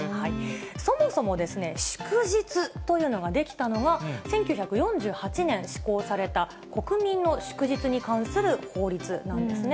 そもそもですね、祝日というのが出来たのは、１９４８年施行された国民の祝日に関する法律なんですね。